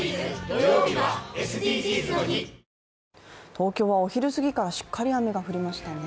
東京はお昼過ぎからしっかり雨が降りましたね。